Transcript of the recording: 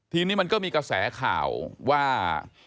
ทีนี้มันก็มีกระแสข่าวว่า